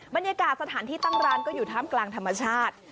บรรยากาศสถานที่ตั้งร้านก็อยู่ท่ามกลางธรรมชาติ